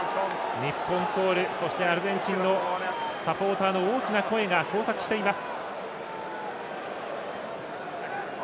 日本コールそして、アルゼンチンのサポーターの大きな声が交錯しています。